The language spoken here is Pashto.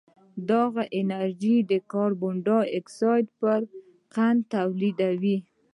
دغه انرژي کاربن ډای اکسایډ پر قند تبدیلوي